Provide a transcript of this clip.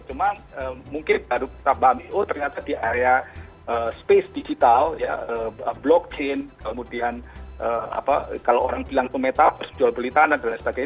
cuma mungkin baru kita bahas di area space digital ya blockchain kemudian apa kalau orang bilang pemeta harus jual beli tanah dan lain sebagainya